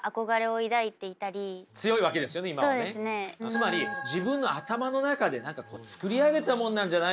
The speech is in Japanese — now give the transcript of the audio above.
つまり自分の頭の中で作り上げたものなんじゃないですか？